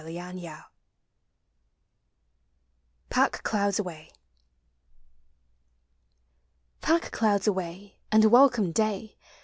JOHN CUNNINGHAM. PACK CLOUDS AWAY. Pack clouds away, and welcome day.